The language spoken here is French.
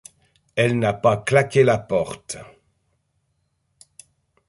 elle n'a pas claqué la porte.